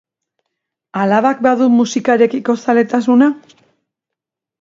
Alabak badu musikarekiko zaletasuna?